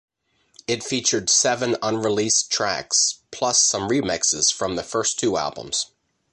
It featured seven unreleased tracks plus some remixes from the first two albums.